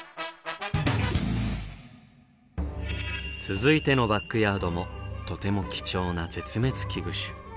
続いてのバックヤードもとても貴重な絶滅危惧種。